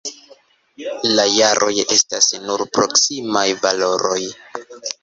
La jaroj estas nur proksimaj valoroj.